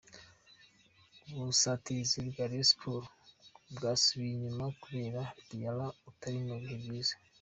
Ubusatirizi bwa Rayon Sports bwasubiye inyuma kubera Diarra utari mu bihe byiza.